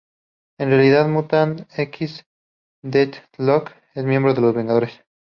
En la realidad "Mutant X", Deathlok es miembro de los Vengadores.